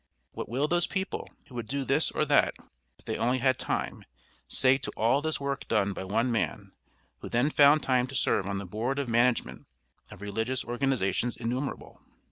What will those people, who would do this or that if they only had time, say to all this work done by one man who then found time to serve on the board of management of religious organizations innumerable?